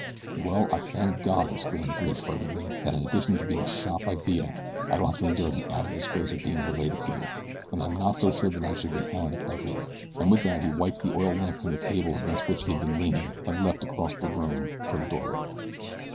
"Well, I thank God," exclaimed Bridge fervently, "that in addition to being shot by Villa I don't have to endure the added disgrace of being related to you, and I'm not so sure that I shall be hanged by Villa," and with that he wiped the oil lamp from the table against which he had been leaning, and leaped across the room for the doorway.